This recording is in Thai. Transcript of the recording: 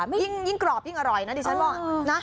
ไม่ทอดสิคุณยิ่งกรอบยิ่งอร่อยนะดิฉันบอกนะ